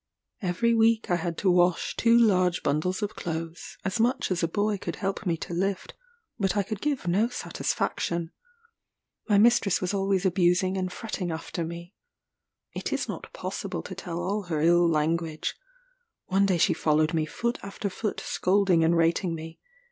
Every week I had to wash two large bundles of clothes, as much as a boy could help me to lift; but I could give no satisfaction. My mistress was always abusing and fretting after me. It is not possible to tell all her ill language. One day she followed me foot after foot scolding and rating me.